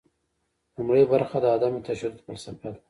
لومړۍ برخه د عدم تشدد فلسفه ده.